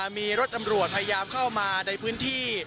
มีรถตำรวจพยายามเข้ามาในพื้นที่